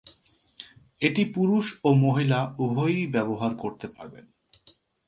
এটি পুরুষ ও মহিলা উভয়েই ব্যবহার করতে পারবেন।